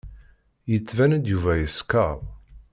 Yettban-d Yuba yeskeṛ.